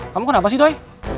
kamu kenapa sih doi